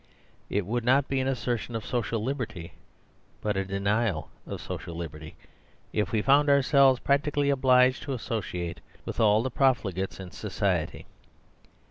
It would not be an assertion of social liberty, but a de nial of social liberty, if we found ourselves practically obliged to associate with all the profligates in society.